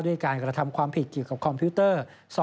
การกระทำความผิดเกี่ยวกับคอมพิวเตอร์